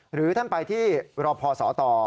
หรือท่านไปที่รพศต